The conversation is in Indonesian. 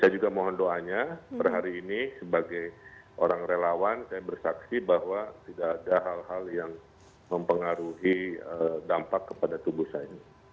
saya juga mohon doanya per hari ini sebagai orang relawan saya bersaksi bahwa tidak ada hal hal yang mempengaruhi dampak kepada tubuh saya